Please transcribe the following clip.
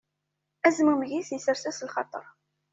Azmummeg-is isers-as lxaṭer.